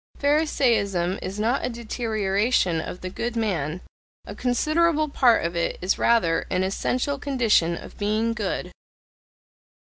Pharisaism is not a deterioration of the good man; a considerable part of it is rather an essential condition of being good.